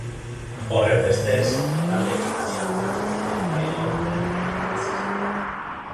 Horrenbestez, talde kanariarra abantial lortzen hasi zen.